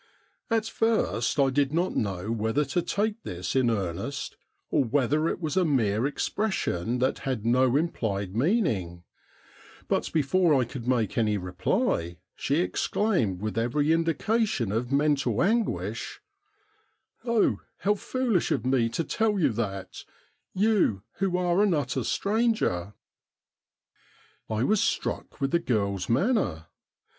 At first I did not know whether to take this in earnest, or whether it was a mere expression that had no implied mean ing ; but before I could make any reply she exclaimed with every indication of mental anguish :' Oh, how foolish of me to tell you that, you who are an utter stranger !' I was struck with the girl's manner.